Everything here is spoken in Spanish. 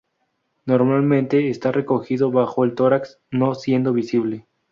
Normalmente está recogido bajo el tórax, no siendo visible.